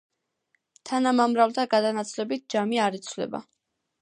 თანამამრავლთა გადანაცვლებით ჯამი არ იცვლება.